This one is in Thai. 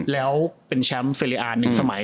แล้วเป็นแชมป์เฟรีอาร์๑สมัย